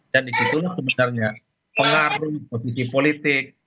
dan di situ sebenarnya pengaruh posisi politik